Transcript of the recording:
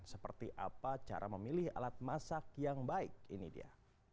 seperti apa cara memilih alat masak yang baik ini dia